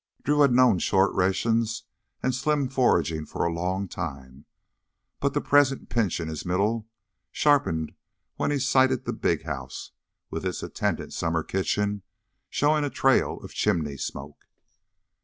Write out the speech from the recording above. Drew had known short rations and slim foraging for a long time, but the present pinch in his middle sharpened when he sighted the big house, with its attendant summer kitchen showing a trail of chimney smoke.